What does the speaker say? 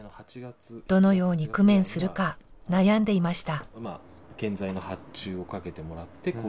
どのように工面するか悩んでいました。